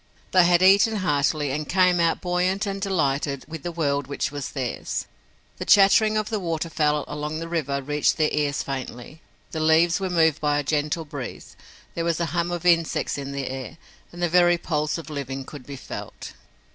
They had eaten heartily, and came out buoyant and delighted with the world which was theirs. The chattering of the waterfowl along the river reached their ears faintly, the leaves were moved by a gentle breeze, there was a hum of insects in the air and the very pulse of living could be felt.